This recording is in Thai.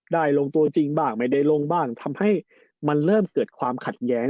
ลงตัวจริงบ้างไม่ได้ลงบ้างทำให้มันเริ่มเกิดความขัดแย้ง